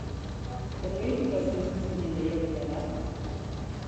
Zergatik aurkeztu zinen lehiaketara?